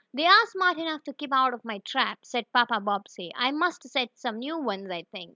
"They are smart enough to keep out of my trap," said Papa Bobbsey. "I must set some new ones, I think."